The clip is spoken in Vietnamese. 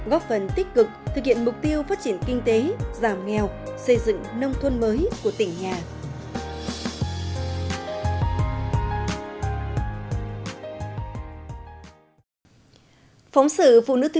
góp phần tích cực thực hiện mục tiêu phát triển kinh tế giảm nghèo xây dựng nông thôn mới của tỉnh nhà